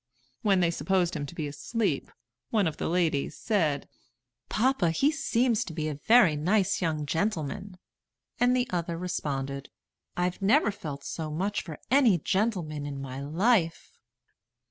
When they supposed him to be asleep, one of the ladies said, "Papa, he seems to be a very nice young gentleman"; and the other responded, "I never felt so much for any gentleman in my life."